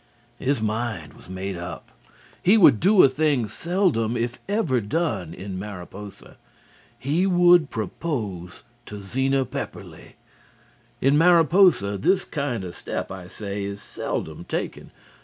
His mind was made up. He would do a thing seldom if ever done in Mariposa. He would propose to Zena Pepperleigh. In Mariposa this kind of step, I say, is seldom taken.